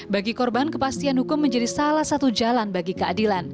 bagi korban kepastian hukum menjadi salah satu jalan bagi keadilan